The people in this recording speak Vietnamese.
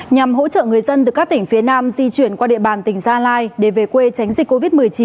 nhằm hỗ trợ người dân từ các tỉnh phía nam di chuyển qua địa bàn tỉnh gia lai để về quê tránh dịch covid một mươi chín